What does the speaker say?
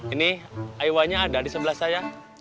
ini aiwannya ada di sebelah saya